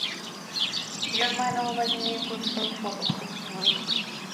Ён мае на ўвазе нейкую сваю формулу?